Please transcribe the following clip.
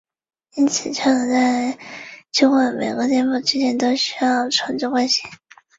沙尔沙乌帕齐拉是孟加拉国库尔纳专区杰索尔县的一个乌帕齐拉。